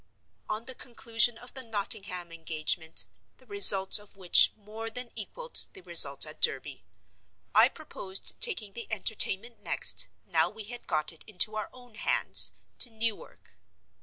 On the conclusion of the Nottingham engagement (the results of which more than equaled the results at Derby), I proposed taking the entertainment next—now we had got it into our own hands—to Newark.